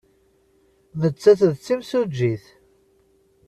Nettat d timsujjit?